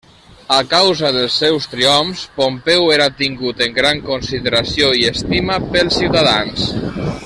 A causa dels seus triomfs, Pompeu era tingut en gran consideració i estima pels ciutadans.